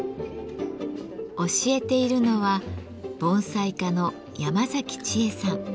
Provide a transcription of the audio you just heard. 教えているのは盆栽家の山崎ちえさん。